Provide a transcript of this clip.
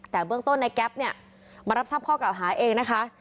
แต่เบื้องต้นในแก๊ปเนี่ยมารับทราบข้อกล่าวหาเองนะคะ